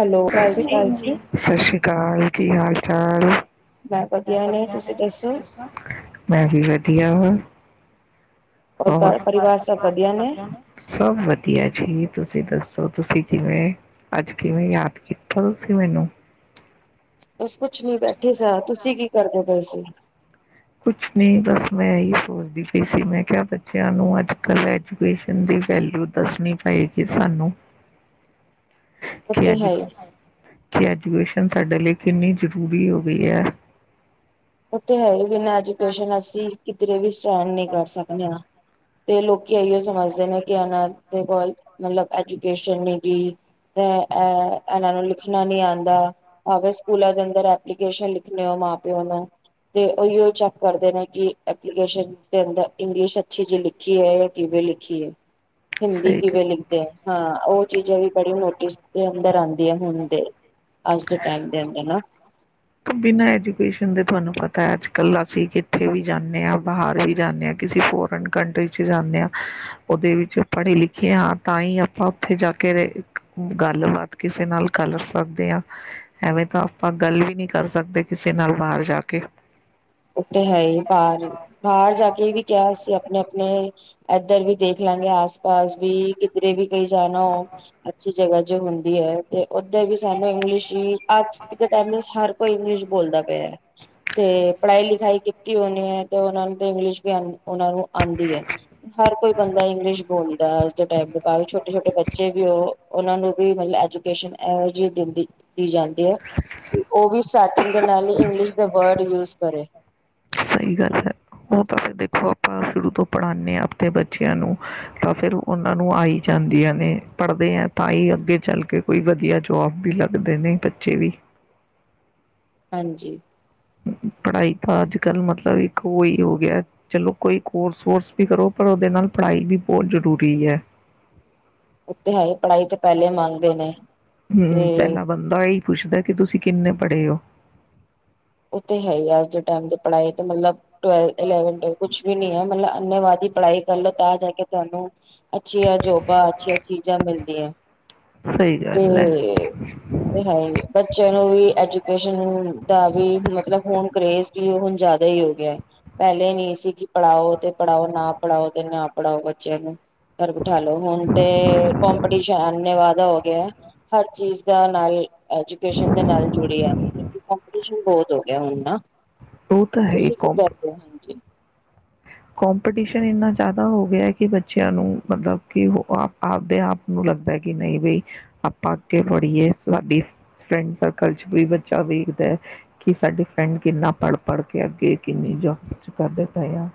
Hello ਸਤਿ ਭੈਣ ਸ੍ਰੀ ਅਕਾਲ ਜੀ ਸਤਿ ਸ਼੍ਰੀ ਅਕਾਲ ਕੀ ਹਾਲ ਚਾਲ, ਮੈਂ ਵਧੀਆ ਨੇ ਤੁਸੀਂ ਦਸੋ ਮੈਂ ਵੀ ਵਧੀਆ ਵਾਂ, ਹੋਰ ਘਰ ਪਰਿਵਾਰ ਸਭ ਵਧੀਆ ਨੇ ਸਭ ਵਧੀ ਵਧੀਆ ਜੀ ਤੁਸੀਂ ਦੱਸੋ ਤੁਸੀਂ ਕਿਵੇਂ ਅੱਜ ਕਿਵੇਂ ਯਾਦ ਕੀਤਾ ਤੁਸੀਂ ਮੈਨੂੰ ਬਸ ਕੁੱਛ ਨੀ ਬੈਠੇ ਸਾ ਤੁਸੀਂ ਕੀ ਕਰਦੇ ਪਏ ਸੀ। ਕੁਛ ਨਹੀਂ ਬਸ ਮੈਂ ਇਹੀ ਸੋਚਦੀ ਪਈ ਸੀ, ਮੈਂ ਕਿਹਾ ਬੱਚਿਆਂ ਨੂੰ ਅੱਜ ਕੱਲ੍ਹ ਐਜੂਕੇਸ਼ਨ ਦੀ ਵੈਲਿਊ ਦੱਸਣੀ ਪਏਗੀ ਸਾਨੂੰ। ਕੀ ਉੱਥੇ ਹੈ ਹੀ [unintelligible] ਟਿਯੁਸ਼ਨ ਸਾਡੇ ਲਈ ਕਿੰਨੀ ਜ਼ਰੂਰੀ ਹੋ ਗਈ ਹੈ। ਉੱਥੇ ਹੈ ਬਿਨਾਂ ਐਜੂਕੇਸ਼ਨ ਅਸੀ ਕਿਧਰੇ ਵੀ ਚੈਨ ਨੀ ਕਰ ਸਕਦੇ ਹਾਂ। ਤੇ ਲੋਕੀ ਇਓ ਸਮਝਦੇ ਨੇ ਕਿ ਇਹਨਾਂ ਦੇ ਕੋਲ ਮਤਲਬ ਐਜੂਕੇਸ਼ਨ ਨੀ ਗੀ ਤੇ ਐ ਇਨਾਂ ਨੂੰ ਲਿਖਣਾ ਨੀ ਆਦਾ। ਵੇ ਸਕੂਲਾਂ ਦੇ ਅੰਦਰ ਐਪਲੀਕੇਸ਼ਨ ਲਿਖਣੀ ਹੋ ਮਾਂ ਪਿਓ ਨੂੰ ਤੇ ਉਹੀਓ ਚੈੱਕ ਕਰਦੇ ਨੇ ਕਿ ਐਪਲੀਕੇਸ਼ਨ ਦੇ ਅੰਦਰ ਇੰਗਲਿਸ਼ ਅੱਛੀ ਜੀ ਲਿਖੀ ਹੈ, ਜਾਂ ਕਿਵੇਂ ਲਿਖੀ ਹੈ ਹਿੰਦੀ ਸਹੀ ਕਿਵੇਂ ਗੱਲ ਲਿਖਦੇ ਹੈ ਹਾਂ ਉਹ ਚੀਜ਼ਾਂ ਵੀ ਬੜੀ ਨੋਟਿਸ ਦੇ ਅੰਦਰ ਆਉਂਦੀ ਹੁਣ ਦੇ। ਅੱਜ ਦੇ ਟਾਈਮ ਦੇ ਅੰਦਰ ਨਾ ਬਿਨਾਂ ਐਜੂਕੇਸ਼ਨ ਦੇ ਤੁਹਾਨੂੰ ਪਤਾ ਤਾਂ ਅੱਜ ਕੱਲ੍ਹ ਅਸੀਂ ਕਿੱਥੇ ਵੀ ਜਾਂਨੇ ਹਾਂ, ਬਾਹਰ ਵੀ ਜਾਂਨੇ ਹਾਂ ਕਿਸੇ ਫੋਰਨ ਕੰਟਰੀ ਚ ਜਾਂਨੇ ਹਾਂ, ਉਹਦੇ ਵਿੱਚ ਪੜ੍ਹੇ ਲਿਖੇ ਹਾਂ ਤਾਂ ਹੀ ਆਪਾਂ ਉੱਥੇ ਜਾ ਕੇ ਰ ਗੱਲਬਾਤ ਕਿਸੇ ਨਾਲ ਕਰ ਸਕਦੇ ਹਾਂ। ਐਵੇਂ ਤਾਂ ਆਪਾਂ ਗੱਲ ਵੀ ਨਹੀਂ ਕਰ ਸਕਦੇ ਕਿਸੇ ਨਾਲ ਬਾਹਰ ਜਾ ਕੇ, ਔ ਤੇ ਹੈ ਹੀ, ਬਾਹਰ ਬਾਹਰ ਜਾ ਕੇ ਵੀ ਕਿਹ ਸਕਣੇ ਆ ਆਪਣੇ ਇੱਧਰ ਵੀ ਦੇਖ ਲਾਂ ਗੇ ਆਸ ਪਾਸ ਵੀ ਕਿਧਰੇ ਵੀ ਵੀ ਜਾਣਾ ਹੋ ਅੱਛੀ, ਜਗ੍ਹਾ ਜੋ ਹੁੰਦੀ ਹੈ ਤੇ ਉੱਧਰ ਵੀ ਸਾਨੂੰ ਇੰਗਲਿਸ਼ ਹੀ ਅੱਜ ਦੇ ਟਾਈਮ ਵਿੱਚ ਹਰ [unintelligible] ਕੋਈ ਇੰਗਲਿਸ਼ ਬੋਲਦਾ ਪਿਆ ਹੈ ਤੇ ਪੜ੍ਹਾਈ ਲਿਖਾਈ ਕੀਤੀ ਹੋਣੀ ਹੈ। ਤੇ ਉਹਨਾ ਨੂੰ ਤੇ ਇੰਗਲਿਸ਼ ਵੀ ਆ ਉਹਨਾਂ ਨੂੰ ਆਉਂਦੀ ਹੈ। ਹਰ ਕੋਈ ਬੰਦਾ ਇੰਗਲਿਸ਼ ਬੋਲਦਾ ਹੈ, ਅੱਜ ਦੇ ਟਾਈਮ ਦੇ ਭਵੇ ਛੋਟੇ ਛੋਟੇ ਬੱਚੇ ਵੀ ਉਹ ਉਹਨਾਂ ਨੂੰ ਵੀ ਮਤਲਬ ਏਜੁਕੇਸ਼ਨ ਏਹੋ ਜੀ ਦਿਤੀ ਜਾਂਦੀ ਐ ਔ ਵੀ ਸੈਟਿੰਗ ਦੇ ਨਾਲ ਇੰਗਲਿਸ਼ ਦੇ ਵਰਡ ਕਰੇ ਸਹੀ ਗੱਲ ਹੈ ਔ ਤੁਸੀ ਦੇਖੋ ਆਪਾਂ ਸ਼ੁਰੂ ਤੋਂ ਪੜ੍ਹਾਦੇ ਹਾਂ ਆਪਣੇ ਬੱਚਿਆਂ ਨੂੰ ਤਾਂ ਫਿਰ ਉਹਨਾਂ ਨੂੰ ਆਈ ਜਾਂਦੀਆਂ ਨੇ ਪੜ੍ਹਦੇ ਹੈ ਤਾਂ ਹੀ ਅੱਗੇ ਚੱਲ ਕੇ ਕੋਈ ਵਧੀਆ ਜੋਬ ਵੀ ਲੱਗਦੇ ਨੇ ਬੱਚੇ ਵੀ ਹਾਂਜੀ ਪੜ੍ਹਾਈ ਤਾਂ ਅੱਜ ਕੱਲ੍ਹ ਮਤਲਬ ਇੱਕ ਉਹਹੀ ਹੋ ਗਿਆ ਚਲੋ ਕੋਈ ਕੋਰਸ ਵੋਰਸ ਵੀ ਕਰੋ ਪਰ ਉਹਦੇ ਨਾਲ ਪੜ੍ਹਾਈ ਵੀ ਬਹੁਤ ਜ਼ਰੂਰੀ ਹੈ ਉੱਥੇ ਹੈ ਹੀ ਪੜ੍ਹਾਈ ਤੇ ਪਹਿਲੇ ਮੰਗਦੇ ਨੇ [unintelligible] ਤੇ ਪਹਿਲਾ ਬੰਦਾ ਏਹੀ ਪੁਛਦਾ ਹੈ ਤੁਸੀਂ ਕਿੰਨੇ ਪੜੇ ਹੋ ਔ ਤੇ ਹੈ ਹੀ ਹੈ, ਅੱਜ ਦੇ ਟਾਇਮ ਦੀ ਪੜਾਈ ਮਤਲਬ ਇਲੈਵਨ ਟਵੇਲਵ ਕੁਛ ਵੀ ਨਹੀ ਹੈ ਮਤਲਬ ਅੰਨੇਵਾ- ਪੜ੍ਹਾਈ ਕਰਲੋ ਤਾਂ ਜਾ ਕੇ [unintelligible] ਅੱਛੀਆਂ ਜੋਬਾਂ ਅੱਛੀਆਂ ਚੀਜ਼ਾਂ ਮਿਲਦੀਆਂ, ਸਹੀ ਗੱਲ ਹੈ ਤੇ ਫਿਰ ਹੈ ਹੀ ਬੱਚਿਆਂ ਨੂੰ ਵੀ ਐਜੂਕੇਸ਼ਨ ਨੂੰ- ਮਤਲਬ ਹੁਣ ਕਰੇਜ ਵੀ ਉਹ ਜ਼ਿਆਦਾ ਹੀ ਹੋ ਗਿਆ ਪਹਿਲੇ ਨਹੀਂ ਸੀ ਕਿ ਪੜ੍ਹਾਓ ਤੇ ਪੜ੍ਹਾਓ ਨਾ ਪੜ੍ਹਾਓ ਤੇ ਨਾ ਪੜਾਯੋ ਬੱਚਿਆਂ ਨੂੰ ਘਰ ਬੈਠਾ ਲੌ, ਹੁਣ ਤੇ ਕੰਪੀਟੀਸ਼ਨ ਧੰਨਵਾਦ ਹੋ ਗਿਆ ਹਰ ਚੀਜ਼ ਦਾ ਨਾਲ ਐਜੂਕੇਸ਼ਨ ਦੇ ਨਾਲ ਜੁੜੇ ਆ ਕੁਸ਼ ਵੀ ਬਹੁਤ ਹੋ ਗਿਆ ਹੁਣ ਨਾ ਪੜ੍ਹਾਓ ਉਹ ਤਾਂ ਹੈ ਹੀ ਤੁਸੀ ਕੀ ਕੌਮ ਕਰਦੇ ਹੋ, ਹਾਂਜੀ ਕੰਪੀਟੀਸ਼ਨ ਇੰਨਾ ਜ਼ਿਆਦਾ ਹੋ ਗਿਆ ਹੈ, ਕਿ ਬੱਚਿਆਂ ਨੂੰ ਮਤਲਬ ਕਿ ਆਪਦੇ ਆਪ ਨੂੰ ਲੱਗਦਾ ਕਿ ਨਹੀਂ ਬਈ ਆਪਾਂ ਅੱਗੇ ਪੜ੍ਹੀਏ ਸਾਡੀ ਫਰੈਂਡ ਸਰਕਲ ਚ ਵੀ ਬੱਚਾ ਵੇਖਦਾ ਕਿ ਸਾਡੀ ਫਰੈਂਡ ਕਿੰਨਾ ਪੜ੍ਹ ਪੜ੍ਹ ਕੇ ਅੱਗੇ ਕਿੰਨੀ ਜੋਬ ਕਰ ਦਿੱਤਾ ਯ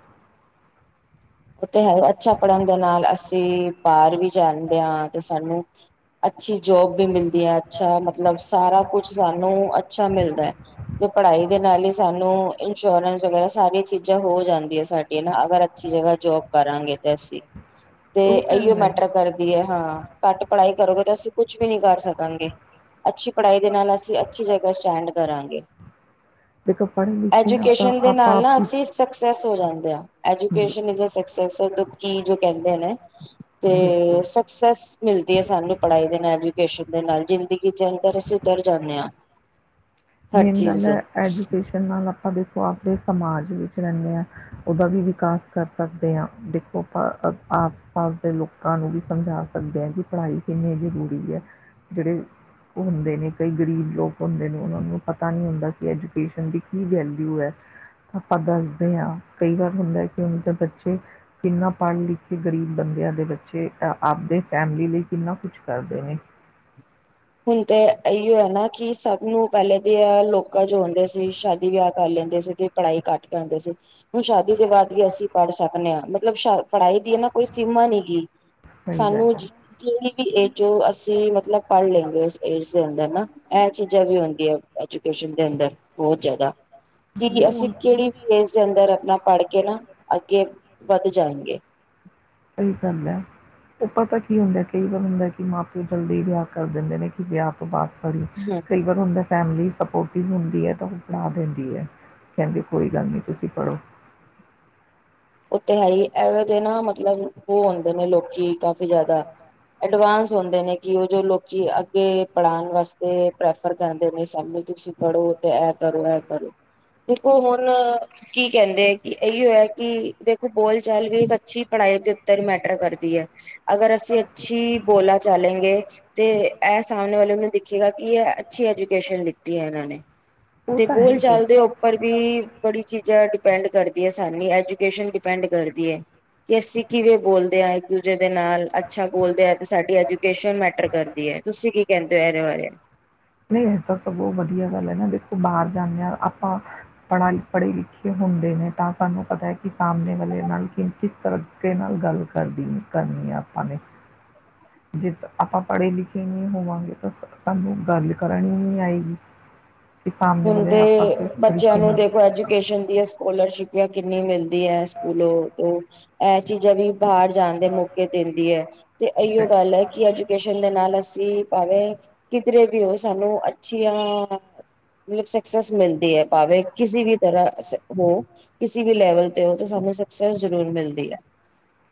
ਓ ਤੇ ਹੈਈ, ਅੱਛਾ ਪੜ੍ਹਨ ਦੇ ਨਾਲ ਅਸੀਂ ਬਾਹਰ ਵੀ ਜਾਂਦੇਆਂ ਤੇ ਸਾਨੂੰ ਅੱਛੀ ਜੋਬ ਵੀ ਮਿਲਦੀ ਹੈ ਅੱਛਾ ਮਤਲਬ ਸਾਰਾ ਕੁਛ ਸਾਨੂੰ ਅੱਛਾ ਮਿਲਦਾ ਹੈ ਤੇ ਪੜ੍ਹਾਈ ਦੇ ਨਾਲੇ ਸਾਨੂੰ ਇੰਸ਼ੋਰੈਂਸ ਵਗੈਰਾ ਸਾਰੀ ਚੀਜ਼ਾਂ ਹੋ ਜਾਂਦੀਆਂ ਸਾਡੇ ਇਹ ਨਾ ਅਗਰ ਅੱਛੀ ਜ੍ਹਗਾ ਜੋਬ ਕਰਾਂਗੇ ਤੇ ਅਸੀਂ ਤੇ ਉਹ ਤਾਂ ਇਹੀਓ ਹੈ ਹੀ ਮੈਟਰ ਕਰਦੀ ਐ, ਹਾਂ। ਘੱਟ ਪੜ੍ਹਾਈ ਕਰੋਗੇ ਤਾਂ ਅਸੀਂ ਕੁਛ ਵੀ ਨੀਂ ਕਰ ਸਕਾਂਗੇ ਅੱਛੀ ਪੜ੍ਹਾਈ ਦੇ ਨਾਲ ਅਸੀ ਅੱਛੀ ਜਗਾ ਸਟੈਂਡ ਕਰਾਂਗੇ ਦੇਖੋ ਪੜ੍ਹੇ ਲਿਖੇ ਆ ਤਾਂ ਐਜੂਕੇਸ਼ਨ ਦੇ ਆਪਾਂ ਨਾਲ ਆਪ ਨਾ ਅਸੀਂ ਸਕਸੈਸ ਹੋ ਜਾਂਗੇ। [unintelligible] ਐਜੂਕੇਸ਼ਨ ਇਜ ਦਸੋ [unintelligible] ਜੋ ਕਹਿੰਦੇ ਨੇ ਤੇ ਬਿਲਕੁਲ ਸਕਸੈਸ ਮਿਲਦੀ ਏ ਸਾਨੂੰ ਪੜ੍ਹਾਈ ਦੇ ਨਾਲ ਐਜੂਕੇਸ਼ਨ ਦੇ ਨਾਲ ਜ਼ਿੰਦਗੀ ਚ ਅੰਦਰ ਅਸੀਂ ਸੁਧਰ ਜਾਂਦੇ ਆਂ। ਮੇਨ ਗੱਲ ਹੈ ਐਜੂਕੇਸ਼ਨ ਨਾਲ ਦੇਖੋ ਆਪ ਦੇ ਸਮਾਜ ਵਿੱਚ ਰਹਿਨੇ ਆਂ ਉਹਦਾ ਵੀ ਵਿਕਾਸ ਕਰ ਸਕਦੇ ਹਾਂ ਦੇਖੋ ਪਾ ਆਸ ਪਾਸ ਦੇ ਲੋਕਾਂ ਨੂੰ ਵੀ ਸਮਝਾ ਸਕਦੇ ਹਾਂ ਕਿ ਪੜ੍ਹਾਈ ਕਿੰਨੀ ਜ਼ਰੂਰੀ ਹੈ ਜਿਹੜੇ ਹੁੰਦੇ ਨੇ ਕਈ ਗਰੀਬ ਲੋਕ ਹੁੰਦੇ ਨੇ ਉਹਨਾਂ ਨੂੰ ਪਤਾ ਨਹੀਂੀ ਹੁੰਦਾ ਕਿ ਐਜੂਕੇਸ਼ਨ ਦੀ ਕੀ ਵੈਲਿਊ ਹੈ ਆਪਾਂ ਦੱਸਦੇ ਹਾਂ ਕਈ ਵਾਰ ਹੁੰਦਾ ਕਿ ਹਨਾਂ ਦੇ ਬੱਚੇ ਕਿੰਨਾ ਪੜ੍ਹ ਲਿਖੇ ਗਰੀਬ ਬੰਦਿਆਂ ਦੇ ਬੱਚੇ ਅ ਆਪਦੇ ਫੈਮਿਲੀ ਲਈ ਕਿੰਨਾ ਕੁਛ ਕਰਦੇ ਨੇ ਹੁਣ ਤੇ ਇਓ ਹੈ ਨਾ ਕਿ ਸਭ ਨੂੰ ਪਹਿਲੇ ਦੀ ਲੋਕ ਜੋ ਹੁੰਦੇ ਸੀ ਸ਼ਾਦੀ ਵਿਆਹ ਕਰ ਲੈਂਦੇ ਸੀ ਤੇ ਪੜ੍ਹਾਈ ਘੱਟ ਕਰਾਂਦੇ ਸੀ ਹੁਣ ਸ਼ਾਦੀ ਦੇ ਬਾਅਦ ਵੀ ਅਸੀਂ ਪੜ੍ਹ ਸਕਣੇ ਹਾਂ [unintelligible] ਪੜ੍ਹਾਈ ਦੀ ਇਹ ਨਾ ਕੋਈ ਸੀਮਾ ਨੀ ਗ ਹੈ। ਸਹੀ ਸਾਨੂੰ ਗੱਲ ਆ ਜਿਹੜੀ ਵੀ ਜੋ ਅਸੀਂ ਮਤਲਬ ਪੜ੍ਹ ਲੈਂ [unintelligible] ਹੈਨਾ ਇਹ ਚੀਜ਼ਾਂ ਵੀ ਹੁੰਦੀਆਂ ਐਜੂਕੇਸ਼ਨ ਦੇ ਅੰਦਰ ਬਹੁਤ ਜ਼ਿਆਦਾ ਕਿ ਨਹੀਂ ਅਸੀਂ ਹੁਣ ਕਿਹੜੀ ਵੀ ਏਜ ਦੇ ਅੰਦਰ ਆਪਣਾ ਪੜ੍ਹ ਕੇ ਨਾ, ਅੱਗੇ ਵੱਧ ਜਾਣਗੇ ਸਹੀ ਗੱਲ ਹੈ ਉਹ ਪਤਾ ਕੀ ਹੁੰਦਾ ਕਈ ਵਾਰ ਹੁੰਦਾ ਕਿ ਮਾਂ ਪਿਓ ਜਲਦੀ ਵਿਆਹ ਕਰ ਦਿੰਦੇ ਨੇ ਕਿ ਵਿਆਹ ਤੋਂ ਬਾਅਦ ਬੀ ਹੂੰ ਕਈ ਵਾਰ ਹੁੰਦਾ ਫੈਮਿਲੀ ਸਪੋਰਟਿਵ ਹੁੰਦੀ ਹੈ ਤਾਂ ਉਹ ਪੜ੍ਹਾ ਦਿੰਦੀ ਹੈ ਕਹਿੰਦੇ ਕੋਈ ਗੱਲ ਨਹੀਂ ਤੁਸੀਂ ਪੜ੍ਹੋ ਉਹ ਤੇ ਹੈ ਹੀ ਇਹਵੇ ਦੇ ਨਾ ਮਤਲਬ ਉਹ ਹੋਂਦੇ ਨੇ ਲੋਕੀ ਕਾਫੀ ਜ਼ਿਆਦਾ, ਐਡਵਾਂਸ ਹੁਂਦੇ ਨੇ ਕਿ ਉਹ ਜੋ ਲੋਕੀ ਅੱਗੇ ਪੜ੍ਹਾਉਣ ਵਾਸਤੇ ਪ੍ਰੈਫਰ ਕਰਦੇ ਨੇ ਸਾਨੁ ਤੁਸੀਂ ਪੜੋ ਤੇ ਇਹ ਕਰੋ ਇਹ ਕਰੋ ਦੇਖੋ ਹੁਣ ਕੀ ਕਹਿੰਦੇ ਆ ਕਿ ਇਹੀ ਹੈ ਕਿ ਦੇਖੋ ਬੋਲ ਚਾਲ ਵੀ ਇੱਕ ਅੱਛੀ ਪੜ੍ਹਾਈ ਦੇ ਉੱਤਰ ਮੈਟਰ ਕਰਦੀ ਹੈ, ਅਗਰ ਅਸੀਂ ਅੱਛੀ ਬੋਲਾ ਚਾਲੇਗੇਂ ਤੇ ਇਹ ਸਾਹਮਣੇ ਵਾਲੇ ਉਹਨੂੰ ਦੇਖੀਗਾ ਕਿ ਇਹ ਅੱਛੀ ਐਜੂਕੇਸ਼ਨ ਲ ਕੀਤੀਆਂ ਇਹਨਾਂ ਨੇ ਉਹ ਤੇ ਤਾਂ ਹੈ ਬੋਲ ਹੀ ਫਿਰ ਚਾਲ ਦੇ ਉੱਪਰ ਵੀ ਬੜੀ ਚੀਜ਼ਾਂ ਡਿਪੈਂਡ ਕਰਦੀ ਆਸਾਨੀ ਅੱਜ ਕੇਸ਼ਨ ਡਿਪੈਂਡ ਕਰਦੀ ਹੈ ਕਿ ਅਸੀਂ ਕਿਵੇਂ ਬੋਲਦੇ ਹਾਂ ਇੱਕ ਦੂਜੇ ਦੇ ਨਾਲ, ਅੱਛਾ ਬੋਲਦੇ ਹ ਤੇ ਸਾਡੀ ਐਜੂਕੇਸ਼ਨ ਮੈਟਰ ਕਰਦੀ ਹੈ, ਤੁਸੀਂ ਕੀ ਕਹਿੰਦੇ ਹੋ ਇਹਦੇ ਬਾਰੇ ਨਹੀਂ ਇਹ ਤਾਂ ਸਗੋਂ ਵਧੀਆ ਗੱਲ ਨਾ ਦੇਖੋ ਬਾਹਰ ਜਾਂਦੇ ਹਾਂ ਆਪਾਂ ਪੜ੍ਹਾ ਪੜ੍ਹੇ ਲਿਖੇ ਹੁੰਦੇ ਨੇ ਤਾਂ ਸਾਨੂੰ ਪਤਾ ਹੈ ਕਿ ਸਾਹਮਣੇ ਵਾਲੇ ਨਾਲ ਕਿਸ ਤਰ੍ਹਾਂ ਦੇ ਨਾਲ ਗੱਲ ਕਰਦੀ ਕਰਨੀ ਆ ਆਪਾਂ ਨੇ ਜੇ ਆਪਾਂ ਪੜ੍ਹੇ ਲਿਖੇ ਨਹੀਂ ਹੋਵਾਂਗੇ, ਤਾਂ ਸਾਨੂੰ ਗੱਲ ਕਰਨੀ ਨਹੀਂ ਆਏਗੀ ਕਿ ਸਾਹਮਣੇ ਹੁਣ ਵਾਲੇ ਤੇ ਆਪਾਂ ਕਿਸ ਬੱਚਿਆਂ ਤਰੀਕੇ ਨੂੰ ਨਾਲ ਦੇਖੋ, ਐਜੂਕੇਸ਼ਨ ਦੀ ਸਕੋਲਰਸ਼ਿਪ ਕਿੰਨੀ ਮਿਲਦੀ ਹੈ ਸਕੂਲੋਂ, ਤੋਂ ਇਹ ਚੀਜ਼ਾਂ ਵੀ ਬਾਹਰ ਜਾਣ ਦੇ ਮੌਕੇ ਦਿੰਦੀ ਹੈ, ਤੇ ਇਹੀੋ ਗੱਲ ਹੈ ਕਿ ਐਜੂਕੇਸ਼ਨ ਦੇ ਨਾਲ ਅਸੀ ਕੀ ਭਾਵੇਂ ਕਿਧਰੇ ਵੀ ਹੋ ਸਾਨੂੰ ਅੱਛੀਆਂ- [inaudible] ਮਤਲਬ ਸਕਸੈਸ ਮਿਲਦੀ ਹੈ, ਭਾਵੇ ਕਿਸੇ ਵੀ ਤਰ੍ਹਾਂ ਹੋ ਕਿਸੇ ਵੀ ਲੈਵਲ ਤੇ ਹੋ ਸਾਨੂੰ ਸਕਸੈਸ ਜ਼ਰੂਰ ਮਿਲਦੀ ਹੈ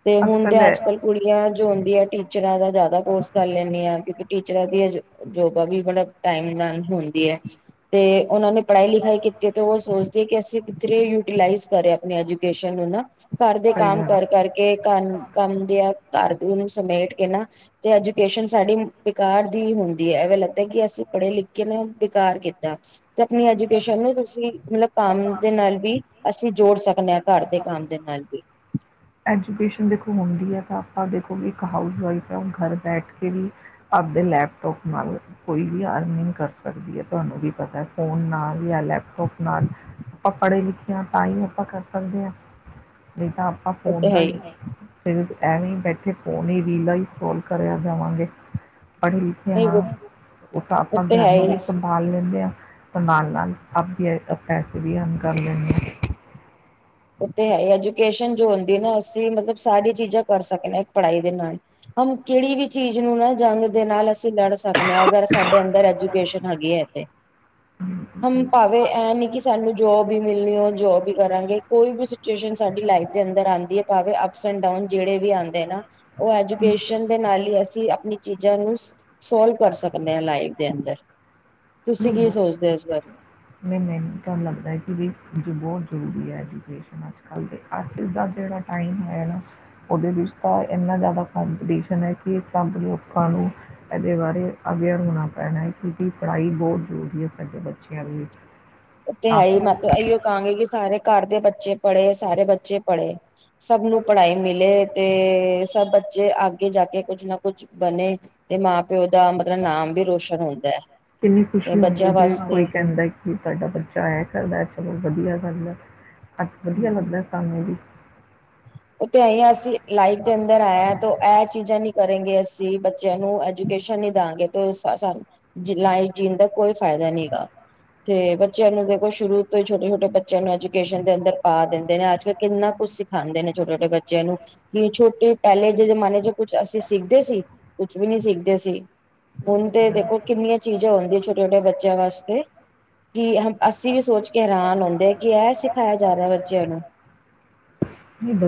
ਤੇ ਹੁਣ ਕੱਲ੍ਹ ਤੇ ਹੈ ਅੱਜ ਕਲ ਕੁੜੀਆਂ ਜੋਉਂਦੀਆਂ ਟੀਚ [unintelligible] [inaudible] ਜ਼ਿਆਦਾ ਕੋਰਸ ਕਰ ਲੈਂਨੇਂ ਆ ਕਿਉਂਕਿ ਟੀਚਰਾਂ ਦੀਆਂ ਜੋਬਾਂ ਵੀ ਬੜਾ ਟਾਇਮ ਨਾਲ ਹੁੰਦੀ ਐ। ਤੇ ਉਹਨਾਂ ਨੇ ਪੜ੍ਹਾਈ ਲਿਖਾਈ ਕੀਤੀ ਤੇ ਉਹ ਸੋਚਦੀ ਕਿ ਅਸੀਂ ਕਿਤੇ ਯੂਟੀਲਾਈਜ਼ ਕਰੇ ਆਪਣੀ ਐਜੂਕੇਸ਼ਨ ਨੂੰ ਨਾ ਘਰ ਦੇ ਸਹੀ ਕੰਮ ਗੱਲ ਕਰ ਕਰਕੇ ਕੰ ਕੰਮ ਕਰਨ ਦੀਆ ਕਰ ਸਮੇਟ ਕੇ ਨਾ ਤੇ ਐਜੂਕੇਸ਼ਨ ਸਾਡੀ ਬੇਕਾਰ ਦੀ ਹੁੰਦੀ ਐਵੇਂ ਲੱਗ ਕਿ ਅਸੀਂ ਪੜ੍ਹੇ ਲਿਖੇ ਨੇ ਬੇਕਾਰ ਕੀ ਟੈਕਸ ਤੇ ਆਪਣੀ ਐਜੂਕੇਸ਼ਨ ਨੂੰ ਤੁਸੀਂ ਮਤਲਬ ਕੰਮ ਦੇ ਨਾਲ ਵੀ ਅਸੀਂ ਜੋੜ ਸਕਦੇ ਹਾਂ ਘਰ ਦੇ ਕੰਮ ਦੇ ਨਾਲ ਵੀ। [unintelligible] ਦੇਖੋ ਹੁੰਦੀ ਹੈ ਤਾਂ ਆਪਾਂ ਦੇਖੋ ਵੀ ਇੱਕ ਹਾਊਸ ਵਾਈਫ ਹੈ ਉਹ ਘਰ ਬੈਠ ਕੇ ਵੀ ਆਪਦੇ ਲੈਪਟੋਪ ਨਾਲ ਕੋਈ ਵੀ ਅਰਨਿੰਗ ਕਰ ਸਕਦੀ ਹੈ ਤੁਹਾਨੂੰ ਵੀ ਪਤਾ। ਫ਼ੋਨ ਨਾਲ ਜਾਂ ਲੈਪਟੋਪ ਨਾਲ ਆਪਾਂ ਪੜ੍ਹੇ ਲਿਖੇ ਹਾਂ ਤਾਂ ਹੀ ਆਪਾਂ ਕਰ ਸਕਦੇ ਹਾਂ। ਨਹੀਂ ਤਾਂ ਆਪਾਂ ਉਹ ਤੇ ਫੋਨ ਦਾ ਹੈ ਹੀ ਨਹੀਂ। ਐਵੇਂ ਹੀ ਬੈਠੇ ਫੋਨ ਈ ਰੀਲਾ ਈ ਸਕਰੋਲ ਕਰੀ ਜਾਵਾਂਗੇ। ਪੜ੍ਹੇ ਲਿਖੇ ਨਹੀਂ ਹਾਂ ਉਹ ਤਾਂ ਆਪਾਂ ਤੇ ਘਰ ਹੈ ਨੂੰ ਵੀ ਹੀ ਸੰਭਾਲ ਲੈਂਦੇ ਹਾਂ। ਨਾਲ ਆਪ ਵੀ ਪੈਸੇ ਵੀ ਅਰਨ ਕਰ ਲੈਂਦੇ।। ਉਹ ਤੇ ਹੈ ਐਜੂਕੇਸ਼ਨ ਜੋ ਹੁੰਦੀ ਨਾ ਅਸੀਂ ਮਤਲਬ ਸਾਰੀਆਂ ਚੀਜ਼ਾਂ ਕਰ ਸਕਦੇ ਇੱਕ ਪੜ੍ਹਾਈ ਦੇ ਨਾਲ ਹਮ ਕਿਹੜੀ ਵੀ ਚੀਜ਼ ਨੂੰ ਨਾ ਜੰਗ ਦੇ ਨਾਲ ਅਸੀਂ ਲੜ ਸਕ ਦੇ ਜੇ ਅਗਰ ਸਾਡੇ ਅੰਦਰ ਐਜੂਕੇਸ਼ਨ ਹੈਗੀ ਹੈ ਤੇ ਬਿਲਕੁਲ ਹਮ ਸਹੀ ਭਾਵੇ ਇਹ ਨੀ ਕਿ ਸਾਨੂੰ ਜੋਬ ਹੀ ਮਿਲਣੀ ਹੋ ਜੋਬ ਹੀ ਕਰਾਂਗੇ। ਕੋਈ ਵੀ ਸਿਚੁਏਸ਼ਨ ਸਾਡੀ ਲਾਈਫ ਦੇ ਅੰਦਰ ਆਉਂਦੀ ਭਾਵੇਂ ਅੱਪਸ ਐਂਡ ਡਾਊਨ ਜਿਹੜੇ ਵੀ ਆਉਂਦੇ ਨਾ ਉਹ ਐਜੂਕੇਸ਼ਨ ਦੇ ਨਾਲ ਹੀ ਅਸੀਂ ਆਪਣੀ ਚੀਜ਼ਾਂ ਨੂੰ ਸੋਲਵ ਕਰ ਸਕਦੇ। ਮੇਰੇ ਲਾਈਫ ਦੇ ਅੰਦਰ। ਤੁਸੀਂ ਕੀ ਸੋਚਦੇ ਹੋ ਇਸ ਬਾਰੇ ਨਹੀਂ ਨਹੀਂ ਤੁਹਾਨੂੰ ਲੱਗਦਾ ਕਿ ਵੀ ਜੀ ਬਹੁਤ ਜ਼ਰੂਰੀ ਹੈ। ਐਜੂਕੇਸ਼ਨ ਅੱਜ ਕੱਲ੍ਹ ਦੇ ਅੱਜ ਦਾ ਜਿਹੜਾ ਟਾਈਮ ਹੈ ਨਾ ਉਹਦੇ ਵਿੱਚ ਤਾਂ ਇੰਨਾ ਜ਼ਿਆਦਾ ਕੌਪੀਟੀਸ਼ਨ ਹੈ ਕਿ ਸਭ ਲੋਕਾਂ ਨੂੰ ਇਹਦੇ ਬਾਰੇ ਅਵੇਅਰ ਹੋਣਾ ਪੈਣਾ ਹੈ ਕਿਉਂਕਿ ਪੜ੍ਹਾਈ ਬਹੁਤ ਜ਼ਰੂਰੀ ਹੈ ਸਾਡੇ ਬੱਚਿਆਂ ਦੇ ਵਿੱਚ ਤੇ ਹੈ ਹੀ ਮੈਂ ਇਹੀਓ ਕਹਾਂਗੀ ਕਿ ਸਾਰੇ ਘਰ ਦੇ ਬੱਚੇ ਪੜ੍ਹੇ ਸਾਰੇ ਬੱਚੇ ਪੜ੍ਹੇ ਸਭ ਨੂੰ ਪੜ੍ਹਾਈ ਮਿਲੇ ਤੇ ਸਭ ਬੱਚੇ ਆਗੇ ਜਾ ਕੇ ਕੁੱਝ ਨਾ ਕੁੱਝ ਬਣੇ ਤੇ ਮਾਂ ਪਿਓ ਪਿਓ ਦਾ ਮਤਲਬ ਨਾਮ ਵੀ ਰੋਸ਼ਨ ਹੁੰਦਾ ਹੈ ਕਿੰਨੀ ਤੇ ਖੁਸ਼ੀ ਬੱਚਿਆਂ ਵਾਸਤੇ ਐ ਕਰਦਾ ਚਲੋ ਵਧੀਆ ਕਰਦਾ। ਅੱਛਾ ਵਧੀਆ ਲੱਗਦਾ ਸਾਨੂੰ ਵੀ ਉੱਥੇ ਆਈ ਆ ਅਸੀਂ ਲਾਈਫ ਦੇ ਅੰਦਰ ਆਏ ਹਾਂ ਤੇ ਇਹ ਚੀਜ਼ਾਂ ਨੀ ਕਰੇਗੇ ਅਸੀਂ ਬੱਚਿਆਂ ਨੂੰ ਐਜੂਕੇਸ਼ਨ ਨੀ ਦਾਆਂਗੇ ਤੇ ਸਾਨੂੰ ਲਾਈਫ ਜੀਣ ਦਾ ਕੋਈ ਫਾਇਦਾ ਨੀ ਗਾ ਤੇ ਬੱਚਿਆਂ ਨੂੰ ਦੇਖੋ ਸ਼ੁਰੂ ਤੋਂ ਛੋਟੇ ਛੋਟੇ ਬੱਚਿਆਂ ਨੂੰ ਐਜੂਕੇਸ਼ਨ ਦੇ ਅੰਦਰ ਪਾ ਦਿੰਦੇ ਨੇ ਅੱਜ ਕੱਲ ਕਿੰਨਾ ਕੁਝ ਸਿਖਾਉਂਦੇ ਨੇ ਛੋਟੇ-ਛੋਟੇ ਬੱਚਿਆਂ ਨੂੰ ਬੀ ਛੋਟੀ ਪਹਿਲੇ ਜੇ ਜ਼ਮਾਨੇ ਚ ਕੁਛ ਅਸੀ ਸਿੱਖਦੇ ਸੀ? ਕੁਛ ਵੀ ਨੀ ਸਿੱਖਦੇ ਸੀ। ਸਹੀ ਹੁਣ ਗੱਲ ਤੇ ਹੈ ਦੇਖੋ ਕਿੰਨੀਆਂ ਚੀਜ਼ਾਂ ਹੋਂਦੀਆਂ ਛੋਟੇ-ਛੋਟੇ ਬੱਚਿਆਂ ਵਾਸਤੇ ਕਿ ਅਹੰ ਅਸੀ ਵੀ ਸੋਚ ਕੇ ਹੈਰਾਨ ਹੁੰਦੇ ਐ ਕਿ ਇਹ ਸਿਖਾਇਆ ਜਾ ਰਿਹੈ। ਜਨਾ।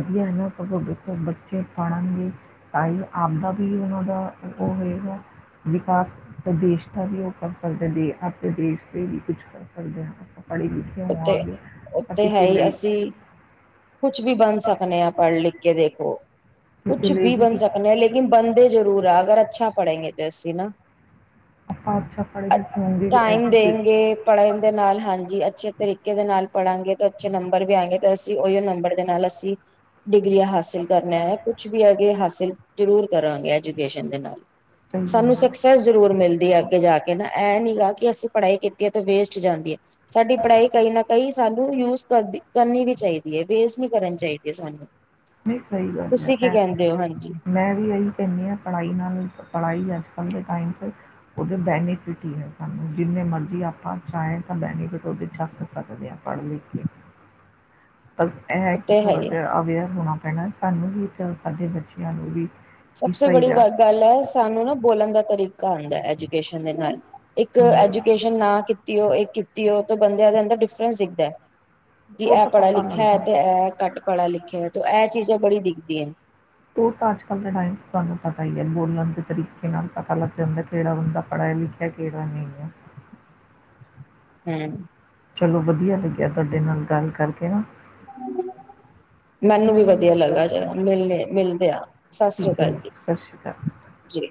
ਯੇ ਹੈ ਨਾ ਸਗੋਂ ਦੇਖੋ ਬੱਚੇ ਪੜ੍ਹਨਗੇ ਤਾਂ ਈ ਆਪਦਾ ਵੀ ਉਹਨਾਂ ਦਾ ਉਹ ਹੋਏਗਾ ਵਿਕਾਸ ਤੇ ਦੇਸ਼ ਦਾ ਵੀ ਉਹ ਕਰ ਸਕ ਦੇਂਦੀ ਏ। ਆਪਣੇ ਦੇਸ਼ ਤੇ ਵੀ ਕੁਛ ਕਰ ਸਕਦੇ ਹਾਂ ਆ। ਪੜੀ ਲਿਖੇ ਉਤੇ ਹੋਵਾਂਗੇ ਉੱਤੇ ਅਸੀ। ਹੈ ਈ ਅਸੀਂ। ਕੁਛ ਵੀ ਬਣ ਸਕਨੇ ਆਂ ਪੜ੍ਹ ਲਿਖ ਕੇ ਦੇਖੋ। ਕਿਸੇ ਕੁਛ ਲਈ ਬੀ ਵੀ ਬਣ ਕੁਛ ਇਹ ਸਕਣੇ ਆ ਲੇਕਿਨ ਬੰਦੇ ਜਰੂਰ ਆ ਅਗਰ ਪਰ ਅੱਛਾ ਪੜੇਗੇ ਨਹੀਂ ਕਰ ਸਕਦੇ। ਤੇ ਅਸੀਂ ਨਾ। ਆਪਾਂ ਟਾਈਮ ਦੇਗੇ, ਪੜ੍ਹਨ ਦੇ ਨਾਲ, ਹਾਂਜੀ ਅੱਛੇ ਤਰੀ ਕੇਦੇ ਨਾਲ ਪੜਾਂਗੇ ਤੇ ਅੱਛੇ ਨੰਬਰ ਵੀ ਆਏਂਗੇ ਤੇ ਅਸ ਤੇ ਓਈਓ ਨੰਬਰ ਦੇ ਨਾਲ ਅਸੀਂ ਡਿਗਰੀਆਂ ਹਾਸਿਲ ਕਰਨਾ ਹੈ। ਕੁਛ ਵੀ ਅਗੇ ਹਾਸਿਲ ਜ਼ਰੂਰ ਕਰਾਂਗੇ ਐਜੂਕੇਸ਼ਨ ਦੇ ਨਾਲ। ਸਹੀ ਗੱਲ ਹੈ ਸਾਨੂੰ ਸਕਸੈਸ ਜ਼ਰੂਰ ਮਿਲਦੀ ਹੈ ਅੱਗੇ ਜਾ ਕੇ ਨਾ ਇਹ ਨੀ ਗਾ ਕਿ ਅਸੀਂ ਪੜ੍ਹਾਈ ਕੀਤ ਏ ਤੇ ਵੇਸਟ ਜਾਂਦੀ ਐ। ਸਾਡੀ ਪੜ੍ਹਾਈ ਕਈ ਨਾ ਕਈ ਸਾਨੂੰ ਯੂਜ ਕਰਦੀ ਕਰਨੀ ਵੀ ਚਾਹੀ ਨਹੀਂ ਸਹੀ ਗੱਲ ਤੁਸੀਂ ਕੀ ਹੈ, ਕਹਿੰਦੇ ਹੋ ਹਾਂਜੀ ਮੈਂ ਵੀ ਏਹੀ ਕੈਣੀ ਆ ਪੜ੍ਹਾਈ ਨਾਲ ਪੜ੍ਹਾਈ ਅੱਜ ਕੱਲ੍ਹ ਦੇ ਟਾਈਮ ਚ ਔਦੇ ਬੈਨੀਫਿਟ ਈ ਹੈ ਸਾਨੂੰ। ਜਿੰਨੇ ਮਰਜ਼ੀ ਆਪਾਂ ਚਾਏਂ ਤਾਂ ਬੈਨੀਫਿਟ ਔਦੇ ਚੱਕ ਸਕਦੇ ਆਂ। ਪੜ੍ਹ ਲਿਖ ਕੇ। ਬਸ ਐਹ ਹੈ ਉਹ ਕਿ ਤੇ ਥੋੜਾ ਹੀ ਜਿਆ ਅਵੇਅਰ ਹੋਣਾ। ਹੈ ਨਾ ਸਾਨੂੰ ਵੀ ਤੇ ਆ ਸਾਡੇ ਬੱਚਿਆਂ ਨੂੰ ਵੀ। ਕਿ ਸਭਸੇ ਬੜੀ ਸਹੀ ਗ ਆ। ਗੱਲ ਐ, ਸਾਨੂੰ ਨਾ ਬੋਲਣ ਦਾ ਤਰੀਕ ਕਾ ਹਦੈਂ ਐਜੂਕੇਸ਼ਨ ਦੇ ਨਾਲ। ਇੱਕ ਹਮ। ਐਜੂਕੇਸ਼ਨ ਨਾ ਕੀਤੀ ਉਹ ਇੱਕ ਕੀ ਤੇ ਉਹ ਤ ਬੰਦਿਆਂ ਦੇ ਅੰਦਰ ਡਿਫਰੈਂਸ ਦਿਖਦੈ ਕਿ ਉਹ ਐ ਤਾਂ ਪੜ੍ਹਾ ਪਤਾ ਲਿਖਿਐ ਲੱਗਦਾ। ਤੇ ਐ ਘੱਟ ਪੜਾ ਲਿਖਿਐ। ਤੋ ਐਹ ਚੀਜ਼ਾਂ ਬੜੀ ਦਿਖਦੀਐਣ। ਔ ਤਾਂ ਅੱਜ ਕੱਲ੍ਹ ਦੇ ਟਾਈਮ ਚ ਤੁਹਾਨੂੰ ਪਤਾ ਈ ਹੈ ਬੋਲਣ ਦੇ ਤਰੀਕੇ ਨਾਲ ਪਤਾ ਲੱਗ ਜਾਂਦੈ, ਕਿਹੜਾ ਬੰਦਾ ਪੜ੍ਹਿਆ ਲਿਖਿਆ ਹੈ, ਕਿਹੜਾ ਨਹੀਂ ਹੈ। ਹੂ ਚਲੋ ਵਧੀਆ ਲੱਗਿਐ ਤੁਹਾਡੇ ਨਾਲ ਗੱਲ ਕਰਕੇ ਨਾ। ਮੈਨੂੰ ਵੀ ਵਧੀਆ ਲੱਗਾ ਜਰਾ ਹੁਣ ਮਿਲਣੇ ਮਿਲਦੇ ਆ। ਸਤ ਸ੍ਰੀ ਠੀਕ ਹੈ ਅਕਾਲ ਜੀ। ਸਤਿ ਸ਼੍ਰੀ ਅਕਾਲ ਜੇ।